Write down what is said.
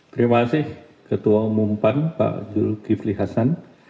terima kasih ketua umum pan pak jul givli hasan